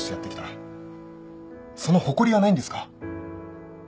その誇りはないんですか？